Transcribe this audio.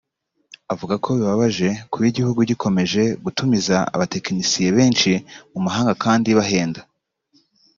avuga ko bibabaje kuba igihugu gikomeje gutumiza abatekinisiye benshi mu mahanga kandi bahenda